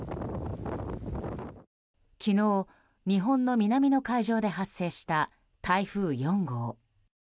昨日、日本の南の海上で発生した台風４号。